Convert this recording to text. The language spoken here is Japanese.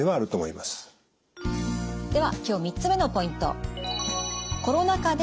では今日３つ目のポイント。